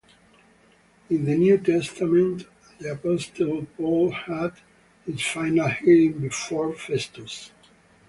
In the New Testament, the Apostle Paul had his final hearing before Festus.